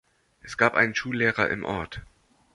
Es gab einen Schullehrer im Ort.